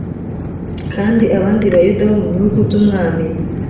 kandi abandi bayuda bo mu bihugu by umwami